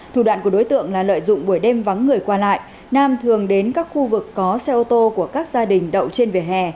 thủ đoạn của đối tượng là lợi dụng buổi đêm vắng người qua lại nam thường đến các khu vực có xe ô tô của các gia đình đậu trên vỉa hè